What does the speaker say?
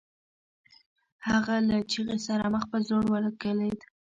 هغه له چيغې سره مخ په ځوړ وکوليد.